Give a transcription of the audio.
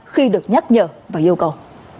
khi được nhắc nhở và yêu cầu